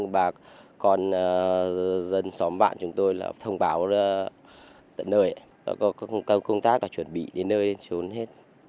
bà con dân xóm bạn chúng tôi là thông báo tận nơi công tác chuẩn bị đến nơi xuống hết